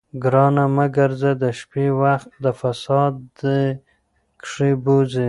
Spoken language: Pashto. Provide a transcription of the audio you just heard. ګرانه مه ګرځه د شپې، وخت د فساد دي کښې بوځې